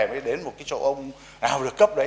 mới đến một cái chỗ ông nào